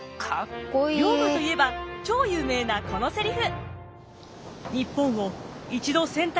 龍馬といえば超有名なこのセリフ。